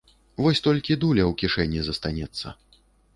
Вось толькі дуля ў кішэні застанецца.